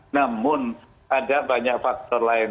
namun ada banyak faktor lain